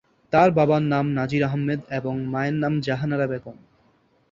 তার বাবার নাম নাজির আহমেদ এবং মায়ের নাম জাহানারা বেগম।